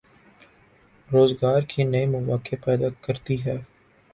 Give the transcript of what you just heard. روزگار کے نئے مواقع پیدا کرتی ہے۔